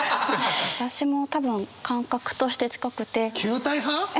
私も多分感覚として近くて。